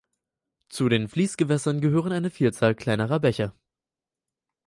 Zu den Fließgewässern gehören eine Vielzahl kleinerer Bäche.